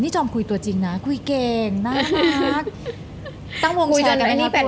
นี่จอมคุยตัวจริงนะคุยเก่งน่ารัก